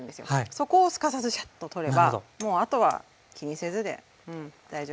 そこをすかさずシャッと取ればもうあとは気にせずで大丈夫です。